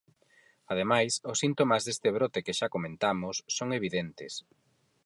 Ademais, os síntomas, deste brote que xa comentamos, son evidentes.